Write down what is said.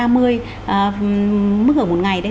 mức hưởng một ngày đấy